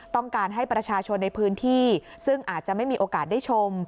ต้องการให้ประชาชนในพื้นที่ซึ่งอาจจะไม่มีโอกาสได้ชม